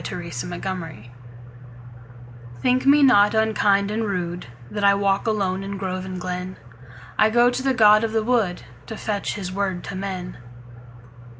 The Apology THINK me not unkind and rudeThat I walk alone in grove and glen;I go to the god of the woodTo fetch his word to men.